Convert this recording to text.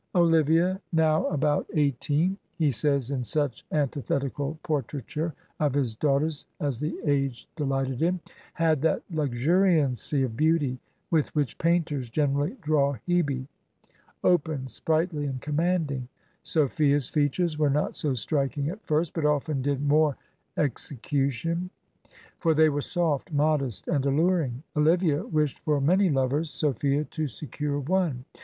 " Olivia, now about eigh 6 Digitized by VjOOQIC SOME NINETEENTH CENTURY HEROINES teen/' he says in such antithetical portraiture of his daughters as the age delighted in, " had that luxuriancy of beauty with which painters generally draw Hebe; open, sprightly and commanding. Sophia's features were not so striking at first, but often did more execu tion; for they were soft, modest and alluring. Olivia wished for many lovers ; Sophia to secure one.